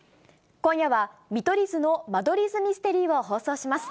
今夜は、見取り図の間取り図ミステリーを放送します。